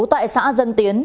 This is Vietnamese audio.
tại xã dân tiến